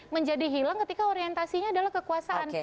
menjadi hilang ketika orientasinya adalah kekuasaan